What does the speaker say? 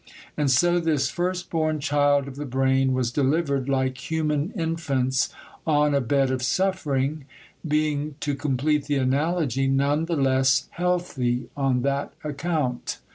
And so this first born child of the brain was delivered, like human infants, on a bed of suffering; being, to complete the analogy, none the less healthy on that account.